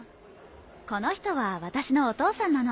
この人は私のお父さんなの。